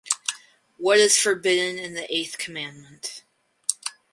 What is forbidden in the eighth commandment?